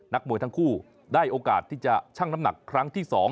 นักมวยทั้งคู่ได้โอกาสที่จะชั่งน้ำหนักครั้งที่๒